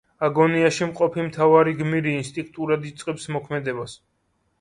აგონიაში მყოფი მთავარი გმირი ინსტინქტურად იწყებს მოქმედებას.